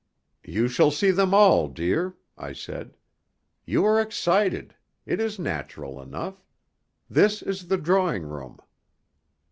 "You shall see them all, dear," I said. "You are excited. It is natural enough. This is the drawing room."